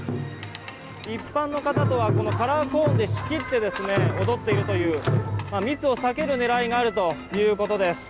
一般の方とはカラーコーンで仕切って踊っているという密を避ける狙いがあるということです。